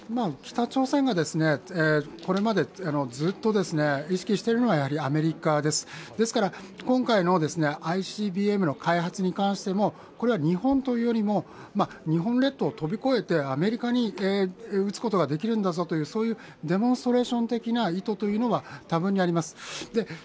北朝鮮がこれまでずっと意識しているのは、やはりアメリカです、ですから、今回のＩＣＢＭの開発に関しても日本というよりも、日本列島を飛び越えてアメリカに撃つことができるんだぞというデモンストレーション的な意図は多分にあります。